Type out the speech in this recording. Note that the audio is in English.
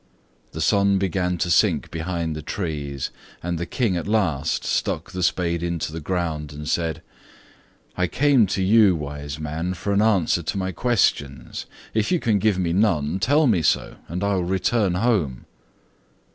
The sun began to sink behind the trees, and the King at last stuck the spade into the ground, and said: "I came to you, wise man, for an answer to my questions. If you can give me none, tell me so, and I will return home."